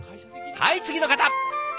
はい次の方。